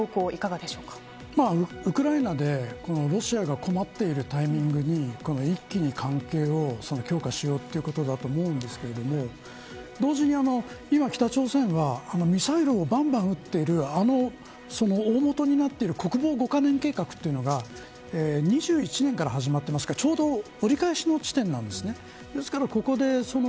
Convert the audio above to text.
ウクライナでロシアが困っているタイミングに一気に関係を強化しようということだと思うんですけど同時に今、北朝鮮はミサイルをばんばん撃っている大元になってる国防５カ年計画というのが２１年から始まっていますからちょうど折り返しの時点なのです。